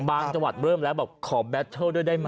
จังหวัดเริ่มแล้วบอกขอแบตเทิลด้วยได้ไหม